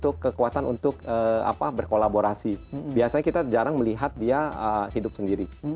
untuk kekuatan untuk berkolaborasi biasanya kita jarang melihat dia hidup sendiri